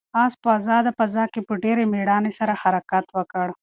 آس په آزاده فضا کې په ډېرې مېړانې سره حرکت وکړ.